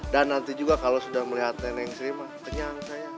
dan nanti juga kalau sudah melihat neneng sri mah kenyang saya